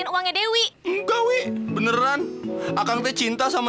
kita tunangan lagi ya wi